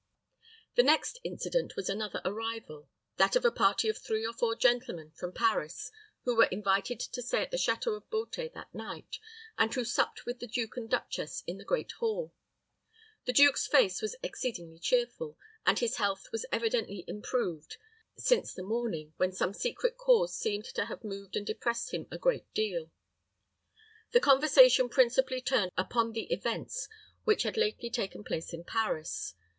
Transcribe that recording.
The next incident was another arrival, that of a party of three or four gentlemen from Paris who were invited to stay at the château of Beauté that night, and who supped with the duke and duchess in the great hall. The duke's face was exceedingly cheerful, and his health was evidently improved since the morning, when some secret cause seemed to have moved and depressed him a great deal. The conversation principally turned upon the events which had lately taken place in Paris.